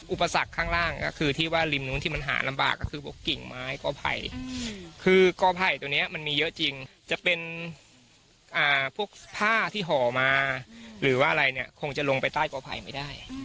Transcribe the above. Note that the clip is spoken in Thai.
อุปสรรคข้างล่างก็คือที่ว่าริมนู้นที่มันหาลำบากก็คือพวกกิ่งไม้กอไผ่คือกอไผ่ตัวนี้มันมีเยอะจริงจะเป็นพวกผ้าที่ห่อมาหรือว่าอะไรเนี่ยคงจะลงไปใต้กอไผ่ไม่ได้